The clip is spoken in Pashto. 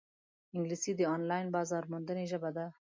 انګلیسي د آنلاین بازارموندنې ژبه ده